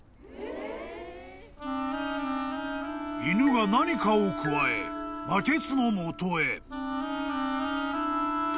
［犬が何かをくわえバケツの元へ］